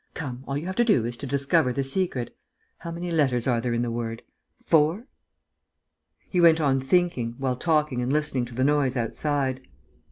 Come, all you have to do is to discover the secret! How many letters are there in the word? Four?" He went on thinking, while talking and listening to the noise outside.